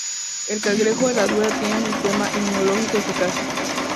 El cangrejo herradura tiene un sistema inmunológico eficaz.